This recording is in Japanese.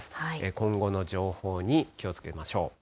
今後の情報に気をつけましょう。